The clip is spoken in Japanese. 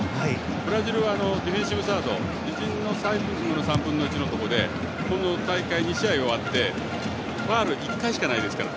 ブラジルはディフェンシブサード自陣の３分の１のところでこの大会２試合終わってファウル１回しかないですから。